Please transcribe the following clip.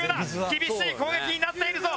厳しい攻撃になっているぞ！